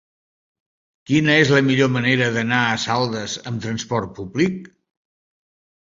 Quina és la millor manera d'anar a Saldes amb trasport públic?